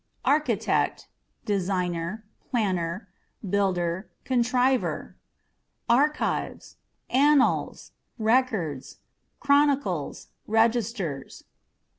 Architectâ€" designer, planner, builder, contriver. ARCHiVES r^nnals, records, chronicles, registers.